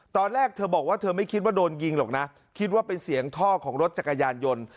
ตอนแรกเธอบอกว่าเธอไม่คิดว่าโดนยิงหรอกนะคิดว่าเป็นเสียงท่อของรถจักรยานยนต์